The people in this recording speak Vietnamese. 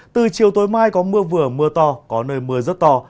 từ chiều tối mai có mưa vừa mưa to có nơi mưa rất to